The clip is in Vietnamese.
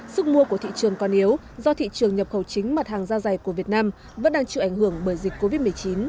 sức mua của thị trường còn yếu do thị trường nhập khẩu chính mặt hàng da dày của việt nam vẫn đang chịu ảnh hưởng bởi dịch covid một mươi chín